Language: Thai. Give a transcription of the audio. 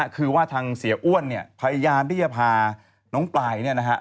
คือว่าทางเสียอ้วนเนี่ยพยายามที่จะพาน้องปลายเนี่ยนะฮะ